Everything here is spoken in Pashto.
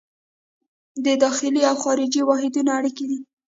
دا د داخلي او خارجي واحدونو اړیکې دي.